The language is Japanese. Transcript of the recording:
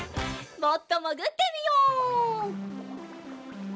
もっともぐってみよう。